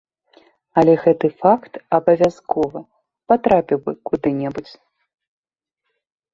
Але гэты факт абавязкова патрапіў бы куды-небудзь.